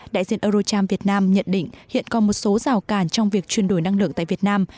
đại diện eurocharm việt nam nhận định hiện còn một số rào cản trong việc chuyển đổi năng lượng tại việt nam